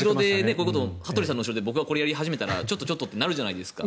羽鳥さんの後ろで僕がこれをやり始めたらちょっとってなるじゃないですか。